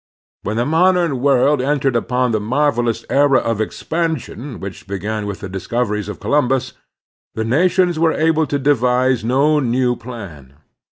When the modem world entered upon the mar velous era of expansion which began with the discoveries of Columbus, the nations were able to devise no new plan.